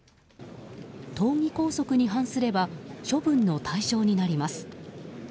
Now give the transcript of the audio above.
党議拘束に反すれば処分の対象になります。